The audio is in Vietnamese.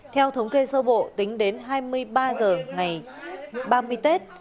theo thống kê sơ bộ tính đến hai mươi ba h ngày ba mươi tết